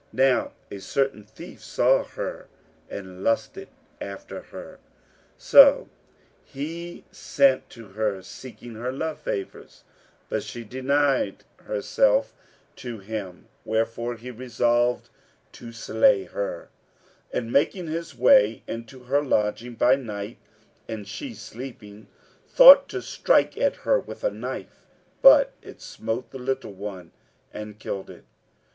Now a certain thief saw her and lusted after her. So he sent to her seeking her love favours, but she denied herself to him; wherefore he resolved to slay her and, making his way into her lodging by night (and she sleeping), thought to strike at her with a knife; but it smote the little one and killed it.